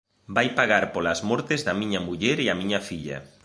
...vai pagar polas mortes da miña muller e a miña filla.